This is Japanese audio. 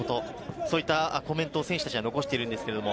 そういったコメントを選手たちが残しています。